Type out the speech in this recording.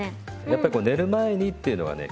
やっぱりこう寝る前にっていうのはね